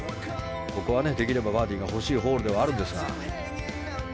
ここはできればバーディーが欲しいホールではあるんですが。